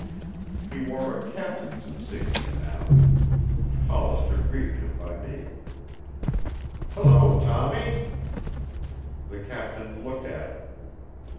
He wore a captain's insignia now. Hollister greeted him by name. "Hello, Tommy." The captain looked at him.